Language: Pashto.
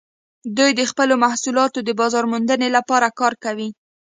دوی د خپلو محصولاتو د بازارموندنې لپاره کار کوي